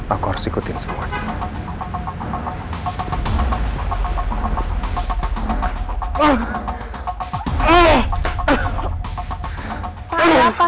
aku harus ikutin semuanya